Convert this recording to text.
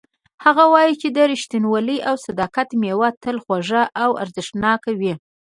هغه وایي چې د ریښتینولۍ او صداقت میوه تل خوږه او ارزښتناکه وي